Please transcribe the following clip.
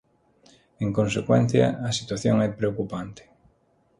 En consecuencia, a situación é preocupante.